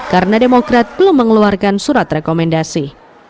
karena demokrat belum mengeluarkan surat rekomendasi